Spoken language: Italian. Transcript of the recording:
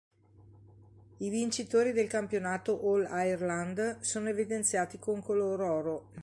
I vincitori del campionato All-Ireland sono evidenziati con color oro.